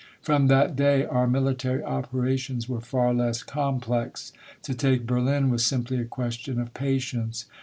From that day, our military operations were far less complex. To take Berlin was simply a ques tion of patience.